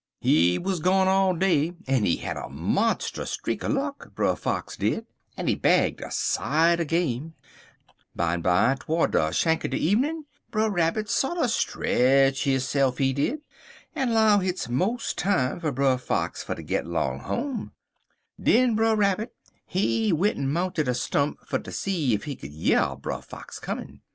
He wuz gone all day, en he had a monstus streak er luck, Brer Fox did, en he bagged a sight er game. Bimeby, to'rds de shank er de evenin', Brer Rabbit sorter stretch hisse'f, he did, en 'low hit's mos' time fer Brer Fox fer ter git 'long home. Den Brer Rabbit, he went'n mounted a stump fer ter see ef he could year Brer Fox comin'.